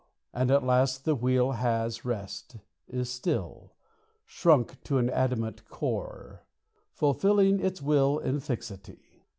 And at last the wheel has rest, is still, Shrunk to an adamant core: Fulfilling its will in fixity.